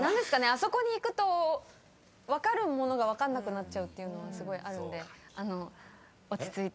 あそこに行くと分かるものが分かんなくなっちゃうっていうのすごいあるんで。